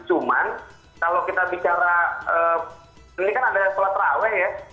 cuman kalau kita bicara ini kan anda dari sekolah terawet ya